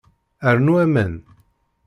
Rnu aman.